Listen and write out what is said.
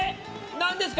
何ですか？